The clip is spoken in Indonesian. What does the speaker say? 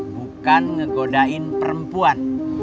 bukan ngegodain perempuan